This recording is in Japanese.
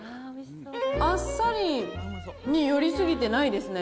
あっさりに寄り過ぎてないですね。